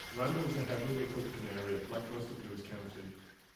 Randle is a heavily Republican area, like most of Lewis County.